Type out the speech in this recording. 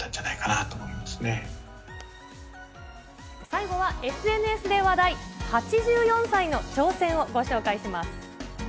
最後はＳＮＳで話題、８４歳の挑戦をご紹介します。